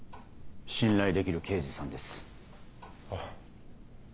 信頼できる刑事さんです。